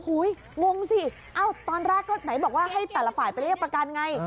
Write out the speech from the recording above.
งงสิเอ้าตอนแรกก็ไหนบอกว่าให้แต่ละฝ่ายไปเรียกประกันไง